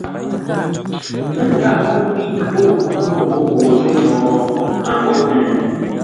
N ndáʼ ghô ghíʼ o ghʉ́ mbǒu ghwǒ zô mô? a ghô ə̂ŋ.